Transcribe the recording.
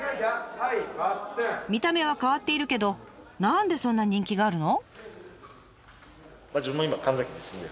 見た目は変わっているけど何でそんなに人気があるの？